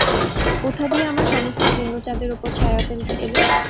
কোথা দিয়ে আমার সমস্ত পূর্ণচাঁদের উপর ছায়া ফেলতে এল?